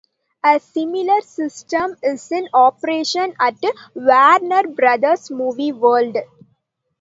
A similar system is in operation at Warner Brothers Movie World.